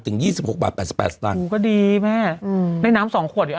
ถึงยี่สิบห้ากบัตรแปดสิบแบบตังค์อู๋ก็ดีแม่อืมได้น้ำสองควด